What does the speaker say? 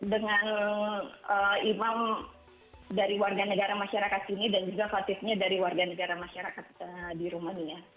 dengan imam dari warga negara masyarakat sini dan juga klatifnya dari warga negara masyarakat di rumania